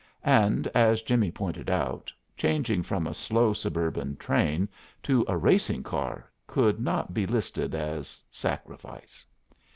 And, as Jimmie pointed out, changing from a slow suburban train to a racing car could not be listed as a sacrifice.